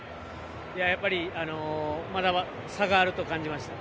やっぱりまだ差があると感じました。